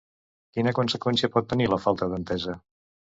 Quina conseqüència pot tenir la falta d'entesa?